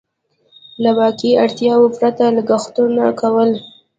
له واقعي اړتياوو پرته لګښتونه کول.